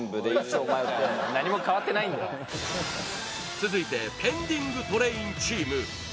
続いて、「ペンディングトレイン」チーム。